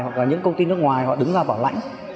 hoặc là những công ty nước ngoài họ đứng ra bảo lãnh